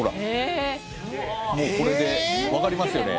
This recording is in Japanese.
もうこれでわかりますよね